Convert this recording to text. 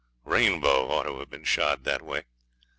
Rainbow ought to have been shod that way.